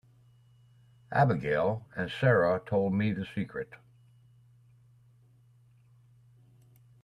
Abigail and Sara told me the secret.